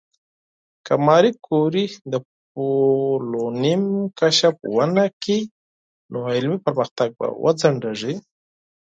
که ماري کوري د پولونیم کشف ونکړي، نو علمي پرمختګ به وځنډېږي.